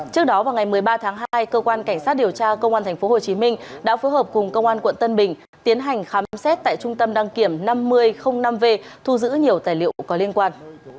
trước đó vào ngày một mươi ba tháng hai cơ quan cảnh sát điều tra công an tp hcm đã phối hợp cùng công an quận tân bình tiến hành khám xét tại trung tâm đăng kiểm năm v thu giữ nhiều tài liệu có liên quan